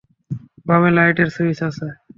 বামে লাইটের সুইচ আছে।